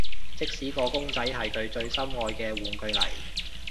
即使個公仔係佢最心愛嘅玩具嚟